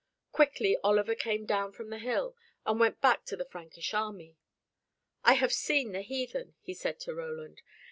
Quickly Oliver came down from the hill, and went back to the Frankish army. "I have seen the heathen," he said to Roland.